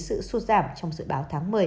sự xuất giảm trong dự báo tháng một mươi